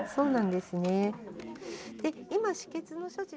で今止血の処置。